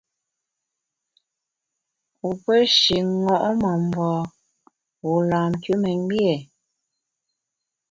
Wu pe shi ṅo’ memba, wu lam nkümengbié ?